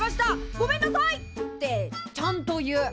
ごめんなさい！」ってちゃんと言う。